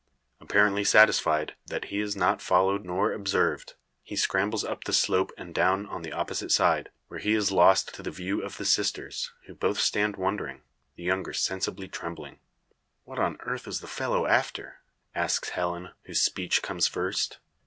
Apparently satisfied, that he is not followed nor observed, he scrambles up the slope and down on the opposite side, where he is lost to the view of the sisters; who both stand wondering the younger sensibly trembling. "What on earth is the fellow after?" asks Helen, whose speech comes first.